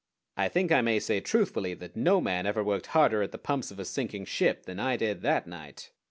I think I may say truthfully that no man ever worked harder at the pumps of a sinking ship than I did that night.